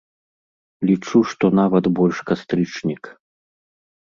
Лічу, што нават больш кастрычнік.